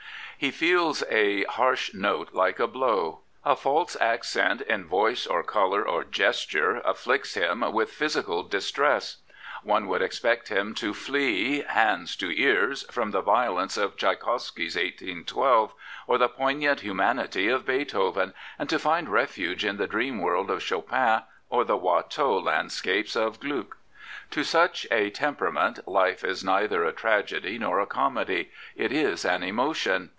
He feels a harsh note like a blow; a false accentTn voice or colour or gesture afflicts him with physical distress. One would expect him to flee, hands to ears, from the violence of Tchaikowsky's " 1812," or the poignant humanity of Beethoven, and to find refuge in the dream world of Chopin or the Watteau land scapes of Gluck. To such a temperament, life is neither a tragedy nor a comedy: it is an emotion.